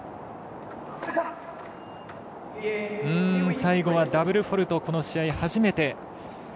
最後はダブルフォールトこの試合初めて。